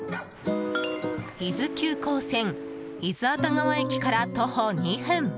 伊豆急行線伊豆熱川駅から徒歩２分